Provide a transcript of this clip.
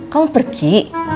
kau mau pergi